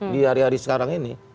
di hari hari sekarang ini